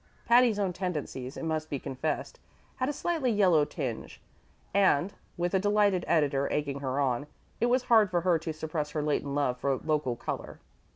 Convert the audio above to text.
Patty's own tendencies, it must be confessed, had a slightly yellow tinge, and, with a delighted editor egging her on, it was hard for her to suppress her latent love for "local color."